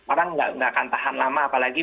orang nggak akan tahan lama apalagi